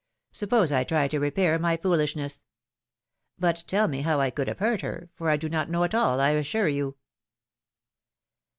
Suppose I try to repair my foolishness? But tell me how I could have hurt her; for I do not know at all, I assure you.